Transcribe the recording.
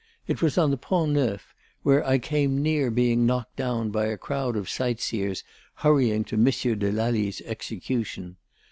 It was on the Pont Neuf, where I came near being knocked down by a crowd of sightseers hurrying to Monsieur de Lally's execution.